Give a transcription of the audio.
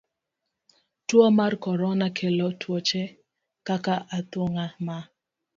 Tuo mar korona kelo tuoche kaka athung'a ma